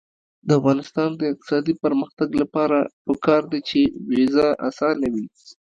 د افغانستان د اقتصادي پرمختګ لپاره پکار ده چې ویزه اسانه وي.